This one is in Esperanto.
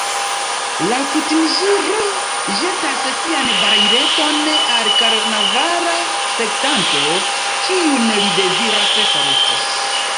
Laŭkutime ĵilo ĵetas sian balaileton al karnavala spektanto, kiun li deziras saluti.